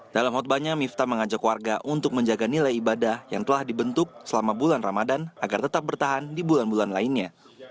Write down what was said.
dalam khutbahnya miftah mengajak warga untuk menjaga nilai ibadah yang telah dibentuk selama bulan ramadan agar tetap bertahan di bulan bulan lainnya